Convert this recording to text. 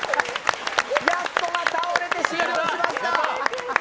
やす子が倒れて終了しました！